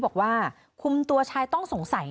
บอกว่าคุมตัวชายต้องสงสัย